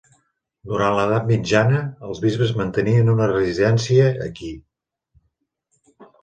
Durant l'Edat Mitjana, els bisbes mantenien una residència aquí.